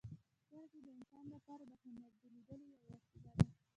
• سترګې د انسان لپاره د هنر د لیدلو یوه وسیله ده.